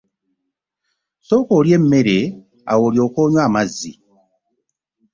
Sooka olye emmere awo olyooke onywe amazzi.